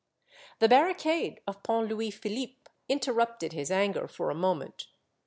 The barricade of Pont Louis Philippe interrupted his anger for a moment.